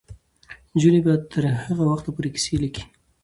نجونې به تر هغه وخته پورې کیسې لیکي.